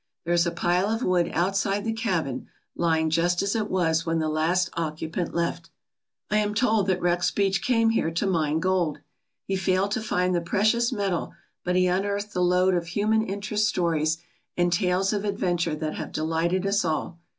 There is a pile of wood outside the cabin, lying just as it was when the last occupant left. I am told that Rex Beach came here to mine gold. He failed to find the precious metal but he unearthed the lode of human interest stories and tales of adventure that have delighted us all.